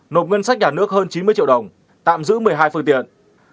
nộp ngân sách nhà nước hơn chín mươi triệu đồng tạm giữ một mươi hai phương tiện